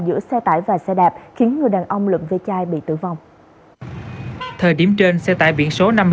giữa xe tải và xe đạp khiến người đàn ông lựm vê chai bị tử vong thời điểm trên xe tải biển số